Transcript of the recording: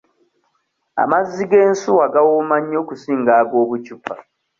Amazzi g'ensuwa gawooma nnyo okusinga ag'obucupa.